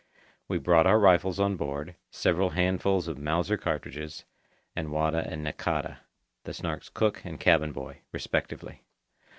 We brought our rifles on board, several handfuls of Mauser cartridges, and Wada and Nakata, the Snark's cook and cabin boy respectively.